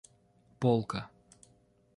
полка